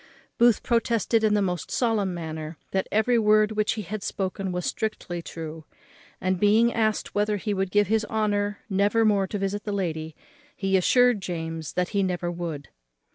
Booth protested in the most solemn manner that every word which he had spoken was strictly true; and being asked whether he would give his honour never more to visit the lady, he assured James that he never would.